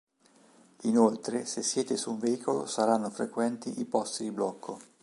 Inoltre se siete su un veicolo saranno frequenti i posti di blocco.